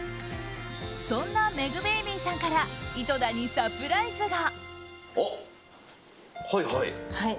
そんなｍｅｇｂａｂｙさんから井戸田にサプライズが。